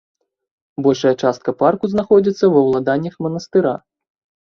Большая частка парку знаходзіцца ва ўладаннях манастыра.